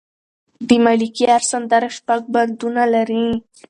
د ملکیار سندره شپږ بندونه لري.